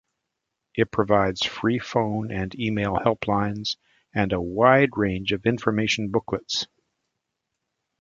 It provides freephone and email helplines and a wide range of information booklets.